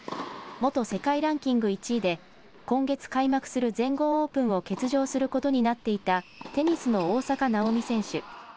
元世界ランキング１位で今月、開幕する全豪オープンを欠場することになっていたテニスの大坂なおみ選手。